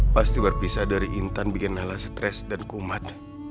pasti berpisah dari intan bikin hal stres dan kumat